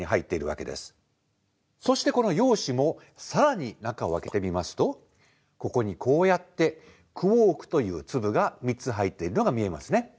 そしてこの陽子も更に中を開けてみますとここにこうやってクォークという粒が３つ入っているのが見えますね。